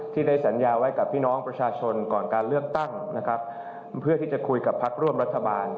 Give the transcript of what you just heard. ได้สัญญาไว้กับพี่น้องประชาชนก่อนการเลือกตั้งนะครับเพื่อที่จะคุยกับพักร่วมรัฐบาล